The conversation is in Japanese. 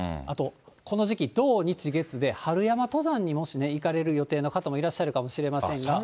あと、この時期、土、日、月で春山登山にもしね、行かれる予定の方もいらっしゃるかもしれませんが。